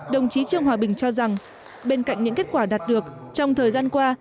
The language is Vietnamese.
đồng chí trương hòa bình cho rằng bên cạnh những kết quả đạt được trong thời gian qua